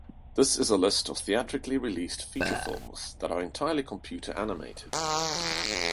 This is a list of theatrically released feature films that are entirely computer-animated.